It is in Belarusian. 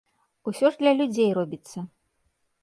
Усё ж для людзей робіцца.